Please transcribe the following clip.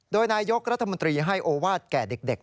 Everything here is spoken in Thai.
โดยนายกรัฐมนตรีให้โอวาสแก่เด็ก